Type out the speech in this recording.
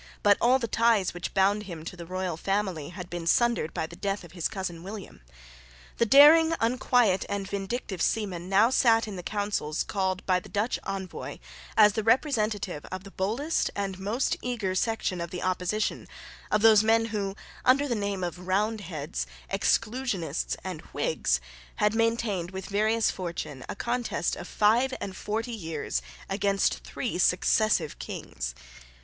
But all the ties which bound him to the royal family had been sundered by the death of his cousin William. The daring, unquiet, and vindictive seaman now sate in the councils called by the Dutch envoy as the representative of the boldest and most eager section of the opposition, of those men who, under the names of Roundheads, Exclusionists, and Whigs, had maintained with various fortune a contest of five and forty years against three successive Kings.